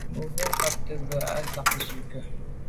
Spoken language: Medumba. Bú jə́ ŋgɔ́ gə́ kwáàdə́ mbə̄ à bá nə̀ zwí ŋkɔ́.